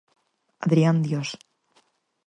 Adrián Dios.